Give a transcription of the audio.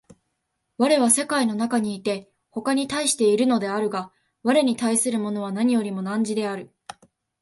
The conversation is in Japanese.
我は世界の中にいて他に対しているのであるが、我に対するものは何よりも汝である。